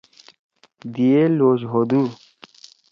دی ئے لوش ہودُو۔